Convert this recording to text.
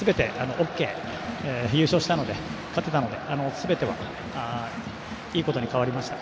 優勝したので、勝てたのですべてはいいことに変わりました。